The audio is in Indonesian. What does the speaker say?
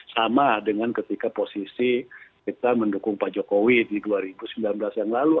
sama dengan ketika posisi kita mendukung pak jokowi di dua ribu sembilan belas yang lalu